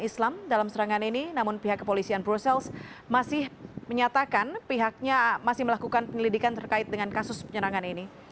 islam dalam serangan ini namun pihak kepolisian brussels masih menyatakan pihaknya masih melakukan penyelidikan terkait dengan kasus penyerangan ini